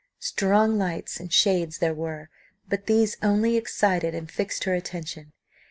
Strong lights and shades there were, but these only excited and fixed her attention.